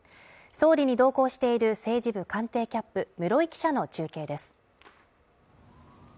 総理に同行している政治部官邸キャップ室井記者の中継です